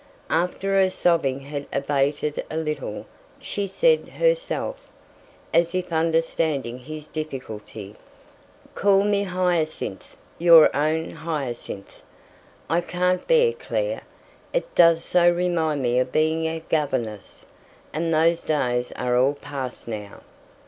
After her sobbing had abated a little, she said herself, as if understanding his difficulty, "Call me Hyacinth your own Hyacinth. I can't bear 'Clare,' it does so remind me of being a governess, and those days are all past now."